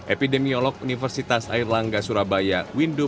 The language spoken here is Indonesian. epidemiolog universitas air langga surabaya windu